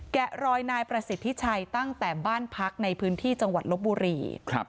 แกะรอยนายประสิทธิชัยตั้งแต่บ้านพักในพื้นที่จังหวัดลบบุรี